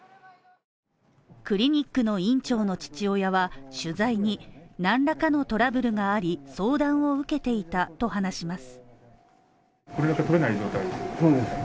クリニックの院長の父親は取材に何らかのトラブルがあり相談を受けていたと話します。